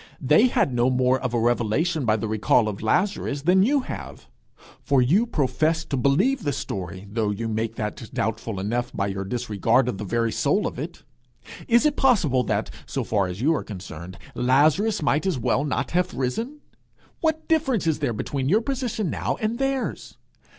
They had no more of a revelation by the recall of Lazarus than you have. For you profess to believe the story, though you make that doubtful enough by your disregard of the very soul of it. Is it possible that, so far as you are concerned, Lazarus might as well not have risen? What difference is there between your position now and theirs?